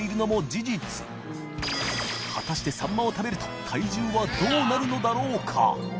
未燭靴サンマを食べると僚鼎どうなるのだろうか？